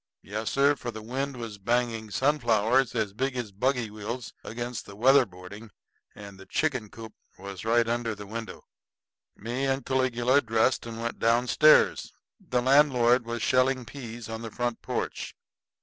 Yes, sir, for the wind was banging sunflowers as big as buggy wheels against the weatherboarding and the chicken coop was right under the window. Me and Caligula dressed and went down stairs. The landlord was shelling peas on the front porch.